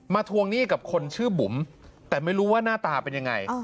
ทวงหนี้กับคนชื่อบุ๋มแต่ไม่รู้ว่าหน้าตาเป็นยังไง